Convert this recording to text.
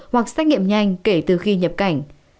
hoặc xác nghiệm nhanh kể từ khi nhập cảnh